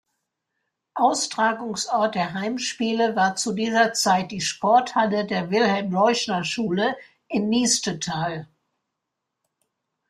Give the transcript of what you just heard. Austragungsort der Heimspiele war zu dieser Zeit die Sporthalle der Wilhelm-Leuschner-Schule in Niestetal.